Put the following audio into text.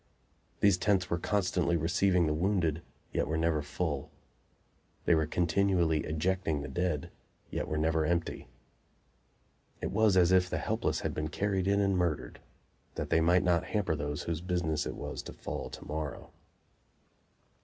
These tents were constantly receiving the wounded, yet were never full; they were continually ejecting the dead, yet were never empty. It was as if the helpless had been carried in and murdered, that they might not hamper those whose business it was to fall to morrow.